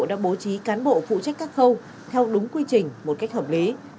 đã bố trí cán bộ phụ trách các khâu theo đúng quy trình một cách hợp lý